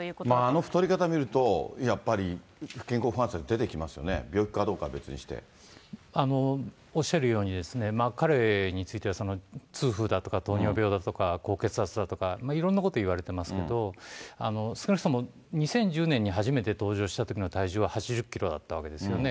あの太り方見ると、やっぱり健康不安説、出てきますよね、おっしゃるように、彼については、痛風だとか糖尿病だとか、高血圧だとか、いろいろなことがいわれていますけど、少なくとも２０１０年に初めて登場したときの体重は８０キロだったわけですよね。